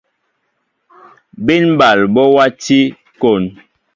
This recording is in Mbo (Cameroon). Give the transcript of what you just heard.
Bín ɓal ɓɔ wati kón.